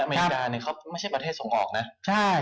อเมริกาเนี่ยเขาไม่ใช่ประเทศส่งออกนะ